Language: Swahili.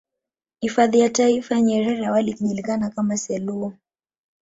Hifadhi ya Taifa ya Nyerere awali ikijulikana kama selou